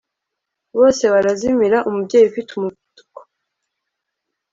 bose barazimira; umubyeyi ufite umuvuduko